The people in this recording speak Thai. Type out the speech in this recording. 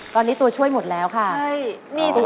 ตอนนี้ตัวช่วยหมดแล้วค่ะอ๋อแล้วใช่